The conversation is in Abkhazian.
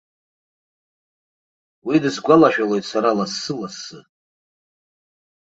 Уи дысгәалашәалоит, сара лассы-лассы.